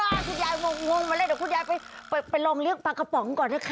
คุณยายงงมาเลยเดี๋ยวคุณยายไปลองเลี้ยงปลากระป๋องก่อนนะคะ